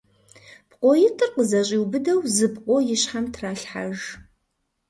ПкъоитӀыр къызэщӀиубыдэу зы пкъо и щхьэм тралъхьэж.